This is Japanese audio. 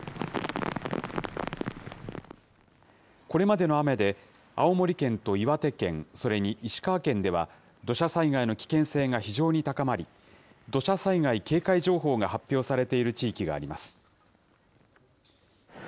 これまでの雨で、青森県と岩手県、それに石川県では、土砂災害の危険性が非常に高まり、土砂災害警戒情報が発表されている地域があります。